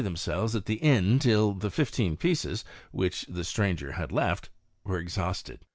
themselves at the ina tilt the fifteen pieces, which tJ Blranger had left, were exhausted."